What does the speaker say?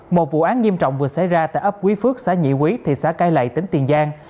một vụ án nghiêm trọng vừa xảy ra tại ấp quý phước xã nhị quý thị xã cai lậy tỉnh tiền giang